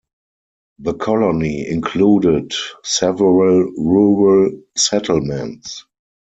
The colony included several rural settlements.